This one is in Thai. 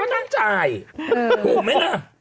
ก็น่าจ่ายถูกไหมนะ